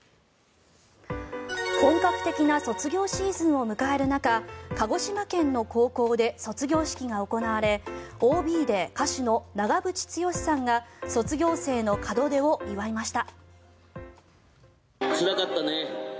本格的な卒業シーズンを迎える中鹿児島県の高校で卒業式が行われＯＢで歌手の長渕剛さんが卒業生の門出を祝いました。